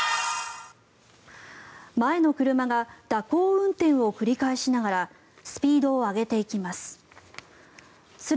前の車が蛇行運転を繰り返しながらスピードを上げていきます。